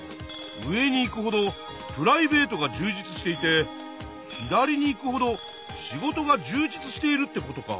上に行くほどプライベートが充実していて左に行くほど仕事が充実しているってことか。